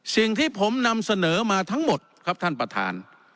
สิ่งที่ผมนำเสนอมาทั้งหมดครับท่านประธาน